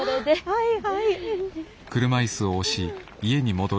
はいはい。